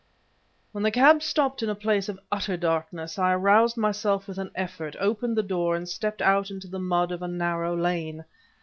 When the cab stopped in a place of utter darkness, I aroused myself with an effort, opened the door, and stepped out into the mud of a narrow lane.